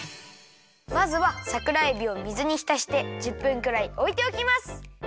まずはさくらえびを水にひたして１０分くらいおいておきます。